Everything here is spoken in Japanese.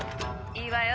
いいわよ